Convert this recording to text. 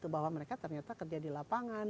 bahwa mereka ternyata kerja di lapangan